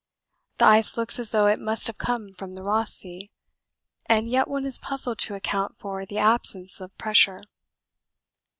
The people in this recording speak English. This ice looks as though it must have come from the Ross Sea, and yet one is puzzled to account for the absence of pressure.